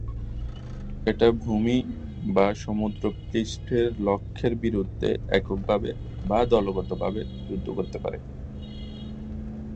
এটি ভূমি বা সমুদ্রপৃষ্ঠের লক্ষ্যের বিরুদ্ধে এককভাবে বা দলগতভাবে যুদ্ধ করতে পারে।